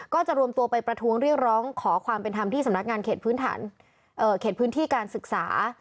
ก็จะรวมตัวไปประท้วงเรียกร้องขอความเป็นธรรมที่สำนักงานเขตพื้นที่การศึกษา